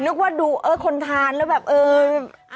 นึกว่าดูเออคนทานแล้วแบบเออ